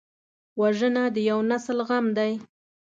وژنه د یو نسل غم دی